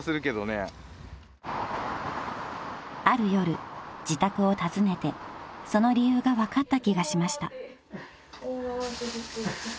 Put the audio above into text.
［ある夜自宅を訪ねてその理由が分かった気がしました］